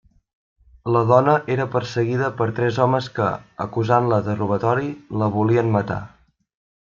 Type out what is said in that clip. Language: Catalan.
La dona era perseguida per tres homes que, acusant-la de robatori, la volien matar.